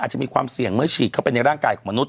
อาจจะมีความเสี่ยงเมื่อฉีดเข้าไปในร่างกายของมนุษ